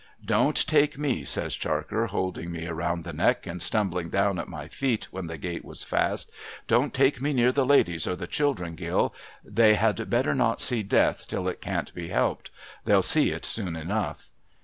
' Don't take me,' says Charker, holding me round the neck, and stumbling down at my feet when the gate was fast, ' don't take me near the ladies or the children, Gill. They had better not see Death, till it can't be helped. They'll see it soon enough.'